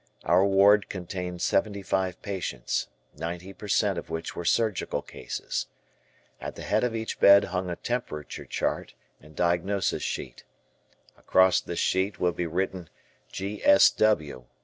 Our ward contained seventy five patients, ninety per cent of which were surgical cases. At the head of each bed hung a temperature chart and diagnosis sheet. Across this sheet would be written "G.S.W."